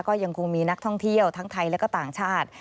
ก็ยังคงมีนักท่องเที่ยวทั้งไทยและก็ต่างชาติ